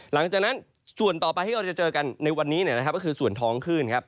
หลังจากนั้นส่วนต่อไปที่เราจะเจอกันในวันนี้นะครับก็คือส่วนท้องคลื่นครับ